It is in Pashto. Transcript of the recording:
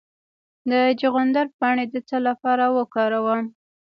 د چغندر پاڼې د څه لپاره وکاروم؟